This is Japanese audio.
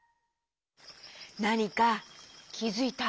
なにかきづいた？